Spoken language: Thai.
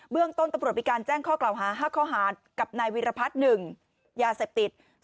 เรื่องต้นตำรวจมีการแจ้งข้อกล่าวหา๕ข้อหากับนายวิรพัฒน์๑ยาเสพติด